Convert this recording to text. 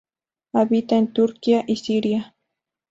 Habita en Turquía y Siria.